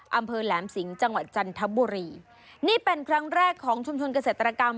อำเภอแหลมสิงห์จังหวัดจันทบุรีนี่เป็นครั้งแรกของชุมชนเกษตรกรรม